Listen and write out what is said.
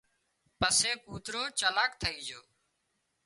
پسي ڪوترو چالاڪ ٿئي جھو